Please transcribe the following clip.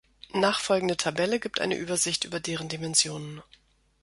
Nachfolgende Tabelle gibt eine Übersicht über deren Dimensionen.